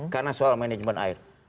karena soal manajemen air